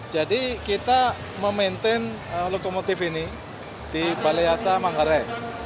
jadi kita memaintain lokomotif ini di balai yasa manggare